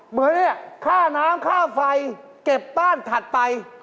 เหมือนเนี่ยค่าน้ำค่าไฟเก็บบ้านถัดไป